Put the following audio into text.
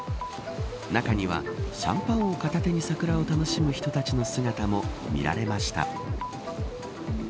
中にはシャンパンを片手に桜を楽しむ人たちの姿も見られました。